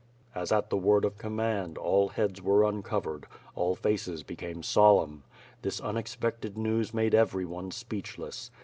As at the word of command, all heads were uncovered, all faces became solemn. This unexpected news made everyone speechless.